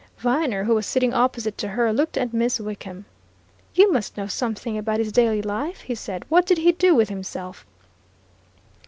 Viner, who was sitting opposite to her, looked at Miss Wickham. "You must know something about his daily life?" he said. "What did he do with himself?"